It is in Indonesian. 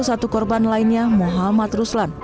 satu korban lainnya muhammad ruslan